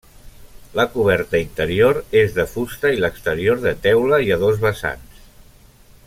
La coberta interior és de fusta i l'exterior de teula i a dos vessants.